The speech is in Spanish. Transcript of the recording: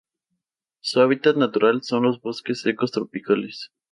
Su hábitat natural son los bosques secos tropicales.